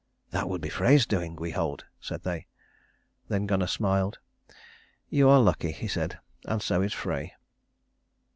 "That would be Frey's doing, we hold," said they. Then Gunnar smiled. "You are lucky," he said, "and so is Frey."